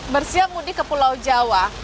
bersiap mudik ke pulau jawa